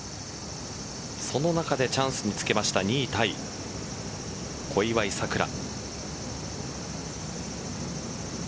その中でチャンスにつけました２位タイ小祝さくら。